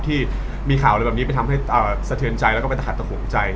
ที่มีข่าวอะไรแบบนี้ไปทำให้สะเทียนใจไปตะขัดตะขวงใจ